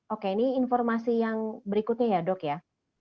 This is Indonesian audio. oke ini informasi yang berikutnya ya dok ya